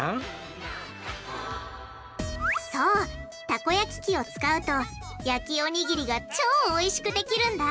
たこ焼き器を使うと焼きおにぎりが超おいしくできるんだ！